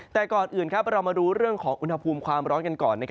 แต่ก่อนอื่นเรามาดูเรื่องของอุณหภูมิความร้อนกันก่อน